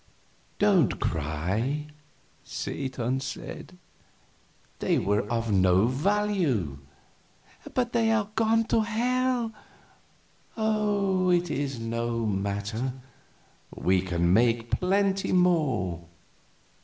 "Don't cry," Satan said; "they were of no value." "But they are gone to hell!" "Oh, it is no matter; we can make plenty more."